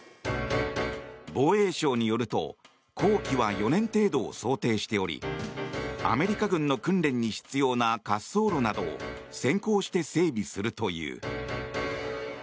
防衛省によると工期は４年程度を想定しておりアメリカ軍の訓練に必要な滑走路などを先行して整備するという。